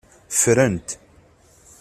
Ffren-t.